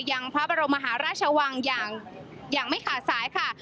ยังพระบรมมหาราชวังอย่างไม่ขาดสายค่ะ